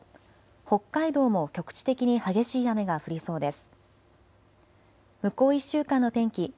北海道も局地的に激しい雨が降りそうです。